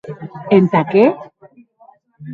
E entà qué?